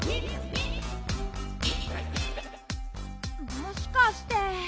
もしかして。